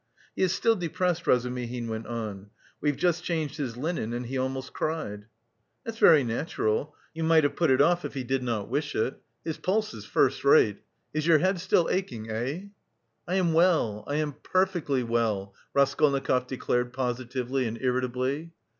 "He is still depressed," Razumihin went on. "We've just changed his linen and he almost cried." "That's very natural; you might have put it off if he did not wish it.... His pulse is first rate. Is your head still aching, eh?" "I am well, I am perfectly well!" Raskolnikov declared positively and irritably.